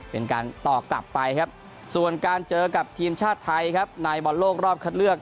เป็นการตอบกลับไปครับส่วนการเจอกับทีมชาติไทยครับในบอลโลกรอบคัดเลือก